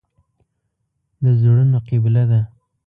د زړونو قبله ده.